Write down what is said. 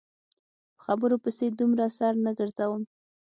په خبرو پسې دومره سر نه ګرځوم.